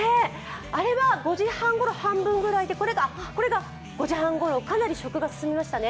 ５時半ごろ、半分ぐらいで、これが、かなり食が進みましたね。